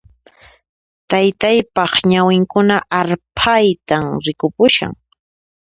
Taytaypaq ñawinkuna arphaytan rikupushan